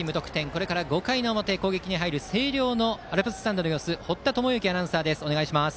これから５回表の攻撃星稜のアルプススタンドの様子堀田智之アナウンサーです。